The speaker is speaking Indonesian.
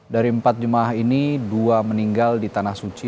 dari empat jemaah ini dua meninggal di tanah suci